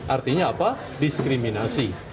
artinya apa diskriminasi